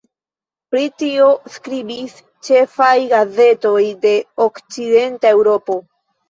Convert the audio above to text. Pri tio skribis ĉefaj gazetoj de okcidenta Eŭropo.